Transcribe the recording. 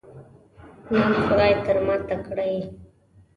نام خدای، تر ما تکړه یې.